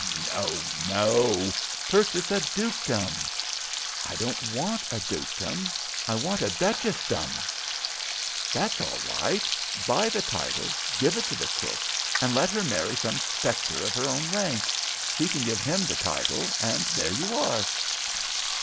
"No, no; purchase a dukedom." "I don't want a dukedom; I want a duchessdom." "That's all right. Buy the title, give it to the cook, and let her marry some spectre of her own rank; she can give him the title; and there you are!"